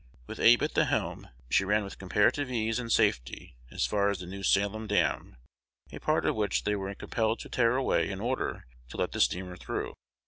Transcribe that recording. With Abe at the helm, she ran with comparative ease and safety as far as the New Salem dam, a part of which they were compelled to tear away in order to let the steamer through.